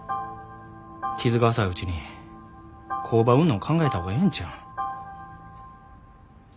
傷が浅いうちに工場売んの考えた方がええんちゃうん。